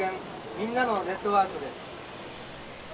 ・みんなのネットワークです。